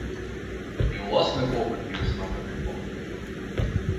І ўласны вопыт ёсць на гэты конт.